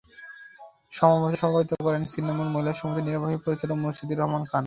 সমাবেশে সভাপতিত্ব করেন ছিন্নমূল মহিলা সমিতির নির্বাহী পরিচালক মুর্শীদুর রহমান খান।